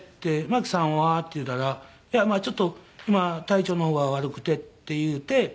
「マキさんは？」って言うたら「いやちょっと今体調の方が悪くて」って言うて。